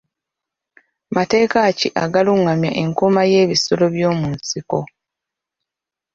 Mateeka ki agalungamya enkuuma y'ebisolo by'omu nsiko.